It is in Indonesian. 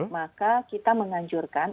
maka kita menganjurkan